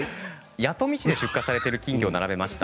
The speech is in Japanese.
弥富市で出荷されている金魚も並べました。